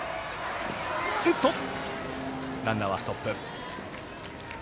ランナーはストップ。